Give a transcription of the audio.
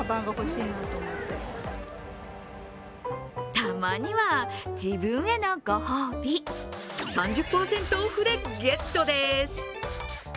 たまには自分へのご褒美、３０％オフでゲットです。